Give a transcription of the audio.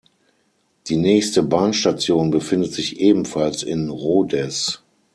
Die nächste Bahnstation befindet sich ebenfalls in Rodez.